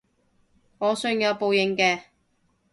我信有報應嘅